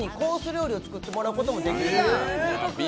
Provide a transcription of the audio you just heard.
料理を作ってもらうこともできる。